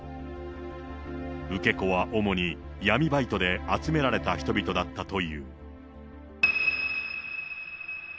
受け子は主に闇バイトで集められた人々だったという。